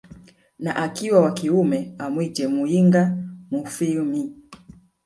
na akiwa wa kiume amwite Muyinga mufwimi